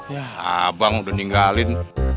yah abang udah ninggalin